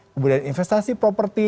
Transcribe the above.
kemudian investasi properti